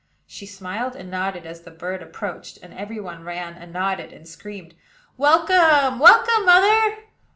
She smiled and nodded as the bird approached; and every one ran and nodded, and screamed, "Welcome! welcome, mother!"